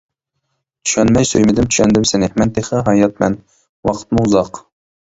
چۈشەنمەي سۆيمىدىم چۈشەندىم سېنى مەن تېخى ھاياتمەن، ۋاقىتمۇ ئۇزاق.